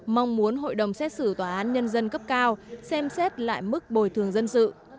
mong muốn hội đồng xét xử tòa án nhân dân cấp cao xem xét lại mức bồi thường dân sự